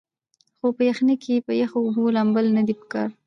خو پۀ يخنۍ کښې پۀ يخو اوبو لامبل نۀ دي پکار